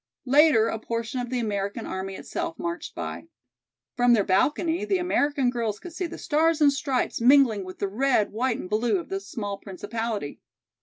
Later a portion of the American army itself marched by. From their balcony the American girls could see the stars and stripes mingling with the red, white and blue of the small principality.